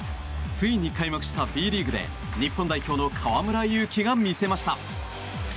ついに開幕したＢリーグで日本代表の河村勇輝が見せました。